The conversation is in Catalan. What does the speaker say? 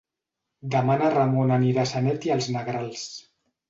Demà na Ramona anirà a Sanet i els Negrals.